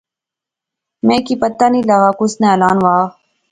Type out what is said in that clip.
میں کی پتہ نی لغا کُس ناں اعلان وہا